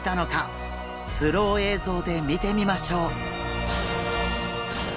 スロー映像で見てみましょう！